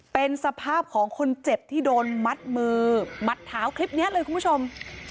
เป็นสภาพของคนเจ็บที่โดนมัดมือมัดเท้าคลิปนี้เลยคุณผู้ชม